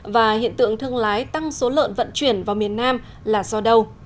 và hiện tượng thương lái tăng số lợn vận chuyển vào miền nam là do đâu